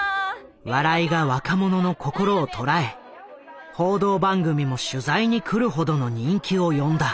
笑いが若者の心を捉え報道番組も取材に来るほどの人気を呼んだ。